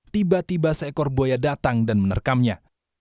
tiba tiba seekor buaya datang dan menerkamnya